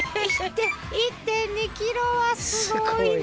１．２キロはすごいな。